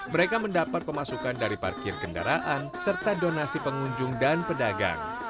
mereka mendapat pemasukan dari parkir kendaraan serta donasi pengunjung dan pedagang